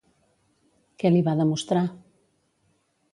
Què li va demostrar?